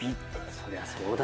そりゃそうだよね。